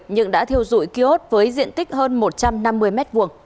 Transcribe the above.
nhưng đã thiêu dụi kiosk với diện tích hơn một trăm năm mươi m hai